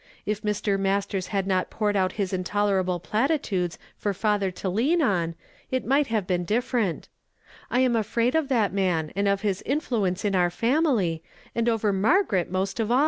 If Mr. iMiisU'i s had not jiourcd out hin iiitolenil)le phitU tiidcH for father to lean on, it might have been dif feront. I am afraid of that man, and of liis influ ence in our family, and over Ahirgaret most of aU.